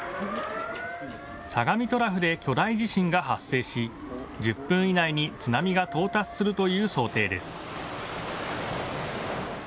相模トラフで巨大地震が発生し、１０分以内に津波が到達するという想定です。